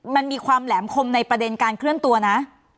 มันมีความแหลมคมในประเด็นการเคลื่อนตัวนะ